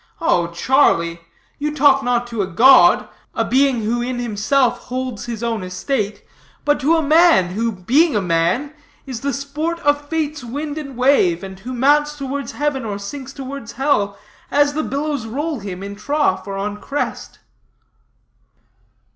Oh, Charlie! you talk not to a god, a being who in himself holds his own estate, but to a man who, being a man, is the sport of fate's wind and wave, and who mounts towards heaven or sinks towards hell, as the billows roll him in trough or on crest."